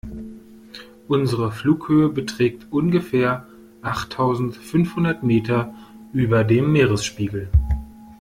Unsere Flughöhe beträgt ungefähr achttausendfünfhundert Meter über dem Meeresspiegel.